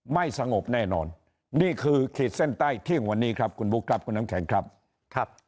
ไม่สงบแน่นอนนี่คือขีดเส้นใต้เที่ยงวันนี้ครับคุณบุ๊คครับคุณน้ำแข็งครับ